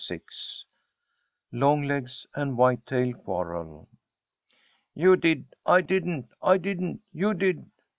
VI LONGLEGS AND WHITETAIL QUARREL "You did!" "I didn't! I didn't!" "You did!"